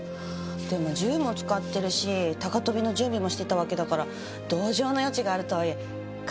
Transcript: でも銃も使ってるし高飛びの準備もしてたわけだから同情の余地があるとはいえかなり食らうでしょ。